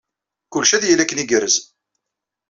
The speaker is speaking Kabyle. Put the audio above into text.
Kullec ad yili akken igerrez.